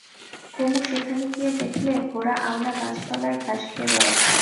কুমু সেখানে গিয়ে দেখলে ঘোড়া আমড়া-গাছতলায় ঘাস খেয়ে বেড়াচ্ছে।